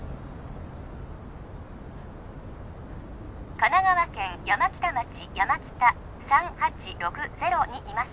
神奈川県山北町山北３８６０にいます